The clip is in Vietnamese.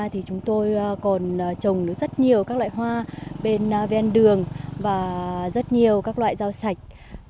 thì chúng tôi còn trồng rất nhiều các loại hoa bên đường và rất nhiều các loại dao sạch